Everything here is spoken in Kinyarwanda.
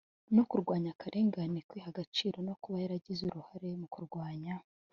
no kurwanya akarengane kwiha agaciro no kuba yaragize uruhare mu kurwanya